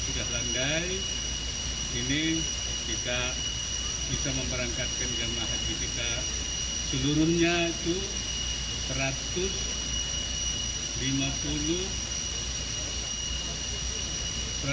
dilepas langsung oleh wakil presiden ma'ruf amin bersama gubernur jawa timur